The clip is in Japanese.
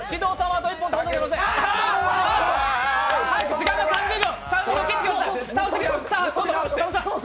時間が３０秒。